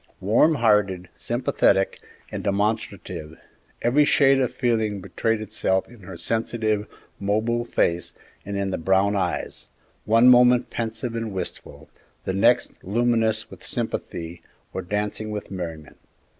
Warm hearted, sympathetic, and demonstrative, every shade of feeling betrayed itself in her sensitive, mobile face and in the brown eyes, one moment pensive and wistful, the next luminous with sympathy or dancing with merriment.